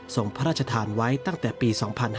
ส่งพระราชทานไว้ตั้งแต่ปี๒๕๕๙